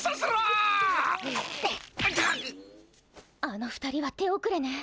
あの２人は手おくれね。